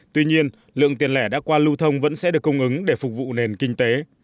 tuy nhiên lượng tiền lẻ đã qua lưu thông vẫn sẽ được cung ứng để phục vụ nền kinh tế